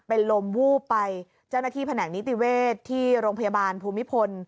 เป็นลมวูบไปเจ้าหน้าที่แผนกนิติเวศที่โรงพยาบาลภูมิพล